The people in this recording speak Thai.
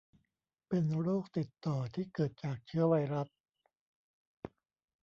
เป็นโรคติดต่อที่เกิดจากเชื้อไวรัส